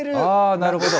なるほど。